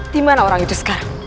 dimana orang itu sekarang